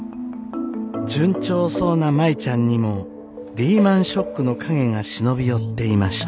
順調そうな舞ちゃんにもリーマンショックの影が忍び寄っていました。